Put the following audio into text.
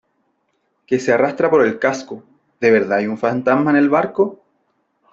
que se arrastra por el casco .¿ de verdad hay un fantasma en el barco ?